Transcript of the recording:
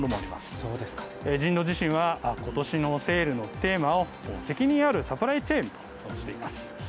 京東自身はことしのセールのテーマを責任あるサプライチェーンとしています。